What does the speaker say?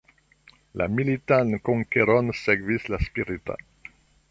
La militan konkeron sekvis la spirita.